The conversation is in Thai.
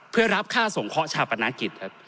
เพื่อรับค่าส่งเคราะหชาปนากิจครับ